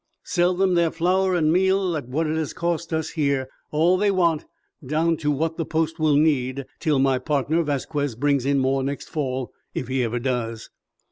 Sell them their flour an' meal at what it has cost us here all they want, down to what the post will need till my partner Vasquez brings in more next fall, if he ever does.